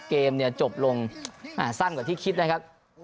เกมเนี่ยจบลงสั้นกว่าที่คิดนะครับ